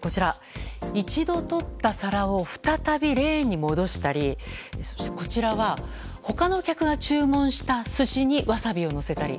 こちら、一度とった皿を再びレーンに戻したりこちらは、他の客が注文した寿司にワサビをのせたり。